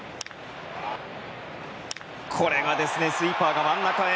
スイーパーが真ん中へ。